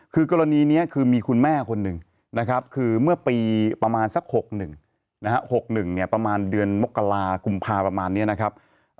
คือกรณีนี้คือมีคุณแม่คนหนึ่งนะครับคือเมื่อปีประมาณสัก๖๑๖๑ประมาณเดือนมกรากุมภาประมาณนี้นะครับ